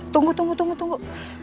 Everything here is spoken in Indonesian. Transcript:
tunggu tunggu tunggu